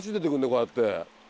こうやって。